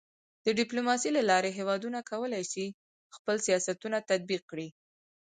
د ډيپلوماسۍ له لارې هېوادونه کولی سي خپل سیاستونه تطبیق کړي.